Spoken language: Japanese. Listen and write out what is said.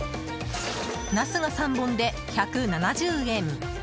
ナスが３本で１７０円。